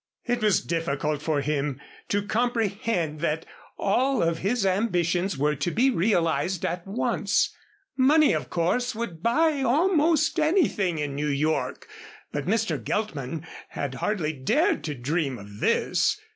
It was difficult for him to comprehend that all of his ambitions were to be realized at once. Money, of course, would buy almost anything in New York, but Mr. Geltman had hardly dared to dream of this.